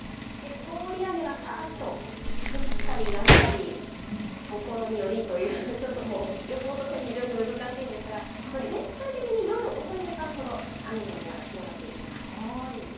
通り雨がさーっと降ったりやんだり、ところによりという、予報としては非常に難しいんですが、全体的に夜遅い時間ほど雨のエリアが広がっていきます。